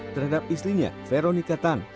terhadap istrinya veronika tan